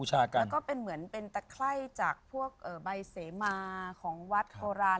หลายองค์คือเป็นพระพุทธรูปสำคัญของประเทศ